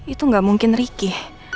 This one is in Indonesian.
itu gak mungkin riki